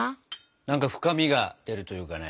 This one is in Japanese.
何か深みが出るというかね。